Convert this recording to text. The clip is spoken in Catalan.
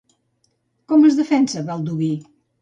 Com es defensa Baldoví?